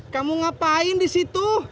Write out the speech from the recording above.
kamu ngapain disitu